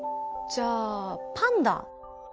じゃあパンダ。